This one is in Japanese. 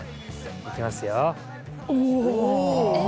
いきますようわ！